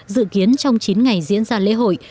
dự kiến trong chín ngày diễn ra lễ hội